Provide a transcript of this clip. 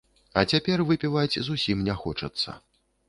А цяпер выпіваць зусім не хочацца.